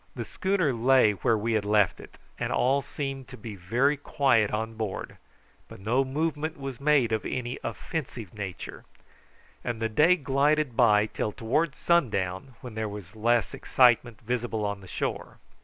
The schooner lay where we had left it, and all seemed to be very quiet on board, but no movement was made of an offensive nature; and the day glided by till towards sundown, when there was less excitement visible on the shore.